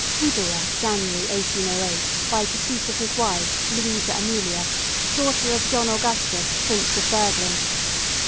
Widower January, 1808, by decease of his wife, LOUISA AMELIA, daughter of JOHN AUGUSTUS, Prince of BURGLEN.